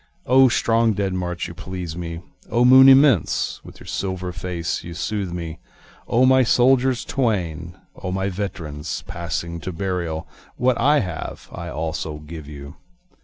O strong dead march you please me! O moon immense with your silvery face you soothe me! O my soldiers twain! O my veterans passing to burial! What I have I also give you.